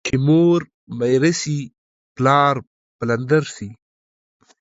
چي مور ميره سي ، پلار پلندر سي.